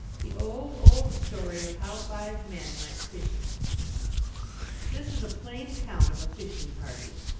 The Old, Old Story of How Five Men Went Fishing This is a plain account of a fishing party.